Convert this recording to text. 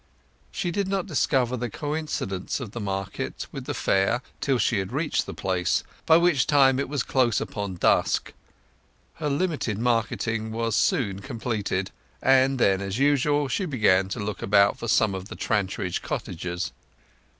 She did not discover the coincidence of the market with the fair till she had reached the place, by which time it was close upon dusk. Her limited marketing was soon completed; and then as usual she began to look about for some of the Trantridge cottagers.